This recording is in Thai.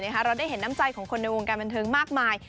เราได้เห็นน้ำใจของคนในวงการบันเทิงมากมาย